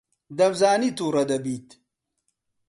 دەمزانی تووڕە دەبیت.